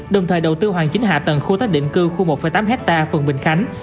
đồng thời đầu tư hoàn chính hạ tầng khu tác định cư khu một tám hectare phần bình khánh